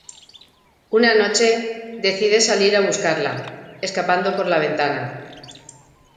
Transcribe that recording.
Una noche, decide salir a buscarla, escapando por la ventana.